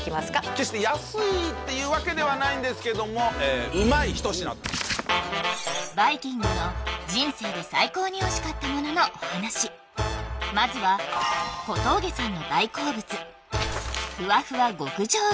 決して安いっていうわけではないんですけどもうまい一品バイきんぐの人生で最高においしかったもののお話まずは何屋さん？